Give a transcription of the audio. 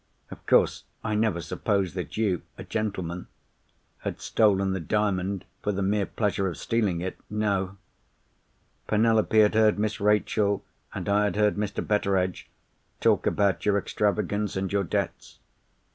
Of course, I never supposed that you—a gentleman—had stolen the Diamond for the mere pleasure of stealing it. No. Penelope had heard Miss Rachel, and I had heard Mr. Betteredge, talk about your extravagance and your debts.